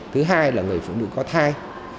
thứ hai là người phụ nữ có thai